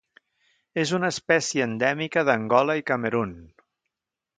És una espècie endèmica d'Angola i Camerun.